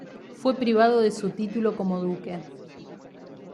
Fue privado de su título como duque.